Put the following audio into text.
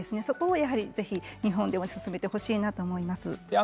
そこをぜひ日本でも進めてほしいなと思います。